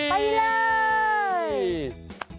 ไปเลย